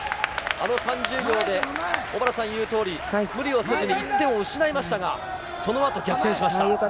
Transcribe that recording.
あの３０秒で小原さん言うとおり無理をせずに１点を失いましたが、そのあと逆転しました。